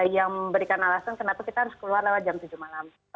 yang memberikan alasan kenapa kita harus keluar lewat jam tujuh malam